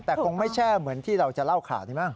แต่คงไม่แช่เหมือนที่เราจะเล่าข่าวนี้มั้